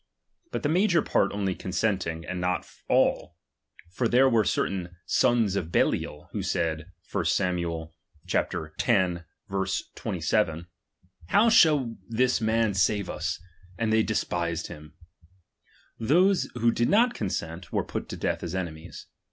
But the major part only consenting, and not all ; for there were certain sons of' Belial, who said, (1 Sam. x. 27), How shall this man save us ? And they de spised hint ; those who did not consent, were put to death as enemies.